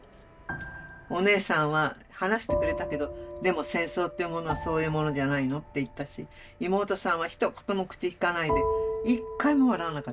お姉さんは話してくれたけどでも戦争というものはそういうものじゃないのって言ったし妹さんはひと言も口きかないで一回も笑わなかった。